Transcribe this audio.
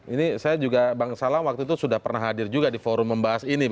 ini saya juga bang salang waktu itu sudah pernah hadir juga di forum membahas ini